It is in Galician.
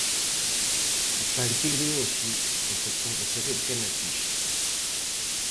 A partir de hoxe, xa se pode saber quen a fixo.